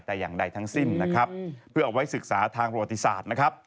แต่อย่างใดทั้งสิ้นนะครับเพื่อเอาไว้ศึกษาทางประวัติศาสตร์นะครับ